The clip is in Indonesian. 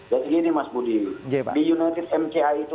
jadi gini mas budiwi di united mca itu